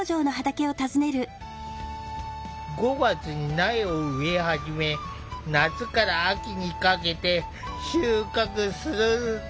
５月に苗を植え始め夏から秋にかけて収穫する。